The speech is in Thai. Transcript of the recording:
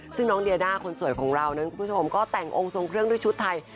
ซึ่งน้องเดียด้าคนสวยของเรานั้นคุณผู้ชมก็แต่งองค์ทรงเครื่องด้วยชุดไทย